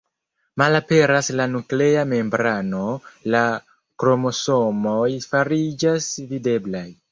Malaperas la nuklea membrano, la kromosomoj fariĝas videblaj.